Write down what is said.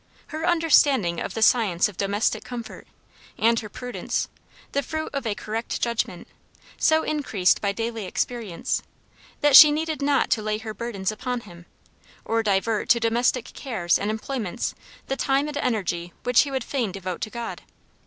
Her understanding of the science of domestic comfort, and her prudence the fruit of a correct judgment so increased by daily experience, that she needed not to lay her burdens upon him, or divert to domestic cares and employments the time and energy which he would fain devote to God.